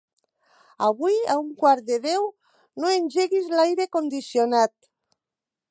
Avui a un quart de deu no engeguis l'aire condicionat.